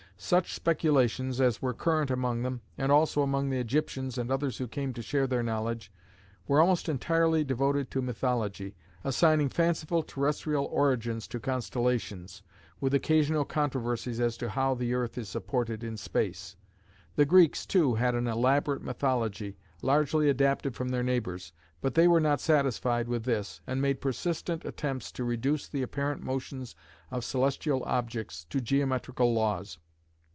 Such speculations as were current among them, and also among the Egyptians and others who came to share their knowledge, were almost entirely devoted to mythology, assigning fanciful terrestrial origins to constellations, with occasional controversies as to how the earth is supported in space. The Greeks, too, had an elaborate mythology largely adapted from their neighbours, but they were not satisfied with this, and made persistent attempts to reduce the apparent motions of celestial objects to geometrical laws.